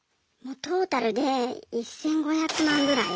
トータルで１，５００万ぐらい。